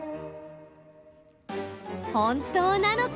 本当なのか？